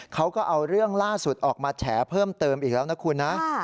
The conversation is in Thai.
เขาก็เอาเรื่องล่าสุดออกมาแฉเพิ่มเติมอีกแล้วนะคุณนะ